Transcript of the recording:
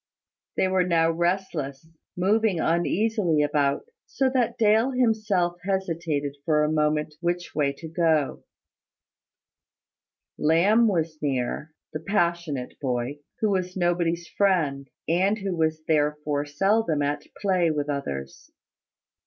They were now restless, moving uneasily about, so that Dale himself hesitated for a moment which way to go. Lamb was near, the passionate boy, who was nobody's friend, and who was therefore seldom at play with others.